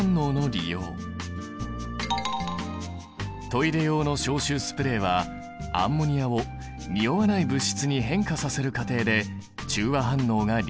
トイレ用の消臭スプレーはアンモニアをにおわない物質に変化させる過程で中和反応が利用されている。